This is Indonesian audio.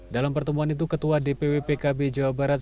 dalam pertemuan itu ketua dpw pkb jawa barat